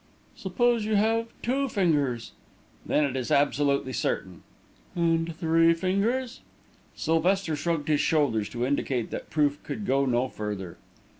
"Suppose you have two fingers?" "Then it is absolutely certain." "And three fingers?" Sylvester shrugged his shoulders to indicate that proof could go no further.